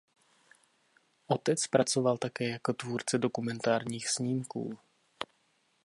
Otec pracoval také jako tvůrce dokumentárních snímků.